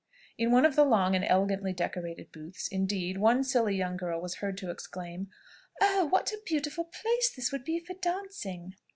In one of the long and elegantly decorated booths, indeed, one silly young girl was heard to exclaim, "Oh! what a beautiful place this would be for dancing!"